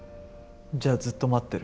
じゃあずっと待ってる。